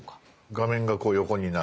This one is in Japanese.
画面がこう横になる。